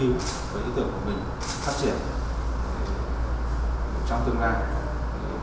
yêu với ý tưởng của mình phát triển trong tương lai